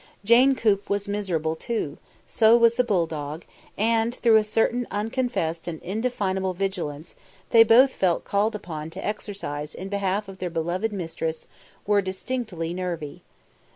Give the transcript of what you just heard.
Jane Coop was miserable too; so was the bulldog, and, through a certain unconfessed and indefinable vigilance they both felt called upon to exercise in behalf of their beloved mistress, were distinctly nervy.